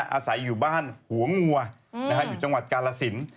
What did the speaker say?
อาศัยอยู่บ้านหัวงัวอยู่จังหวัดกาลสิน